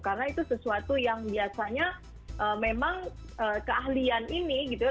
karena itu sesuatu yang biasanya memang keahlian ini gitu ya